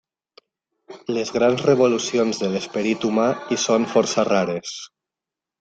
Les grans revolucions de l'esperit humà hi són força rares.